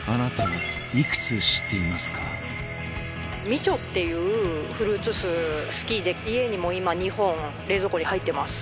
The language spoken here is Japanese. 美酢っていうフルーツ酢好きで家にも今２本冷蔵庫に入ってます。